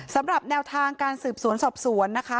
สำหรับแนวทางการสืบสวนสอบสวนนะคะ